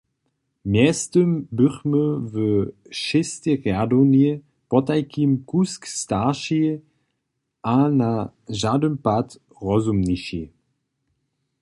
Mjeztym běchmy w šestej rjadowni, potajkim kusk starši a na žadyn pad rozumniši.